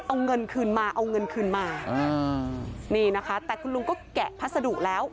เอาเงินคืนมาเอาเงินคืนมานี่นะคะแต่คุณลุงก็แกะพัสดุแล้ว